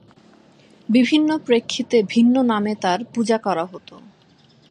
বিভিন্ন প্রেক্ষিতে ভিন্ন নামে তার পূজা করা হতো।